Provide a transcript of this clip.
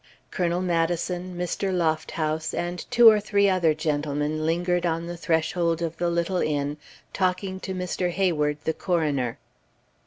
Colonel Maddison, Mr. Lofthouse, and two or three other gentlemen lingered on the threshold of the little inn talking to Mr. Hayward, the coroner.